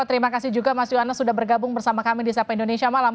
terima kasih juga mas yona sudah bergabung bersama kami di sapa indonesia malam